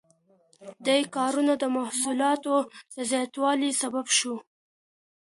دې کارونو د محصولاتو د زیاتوالي سبب شو.